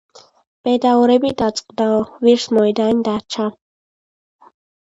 ბედაურები დაწყდაო, ვირს მოედანი დარჩა